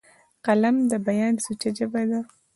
قلم د بیان سوچه ژبه ده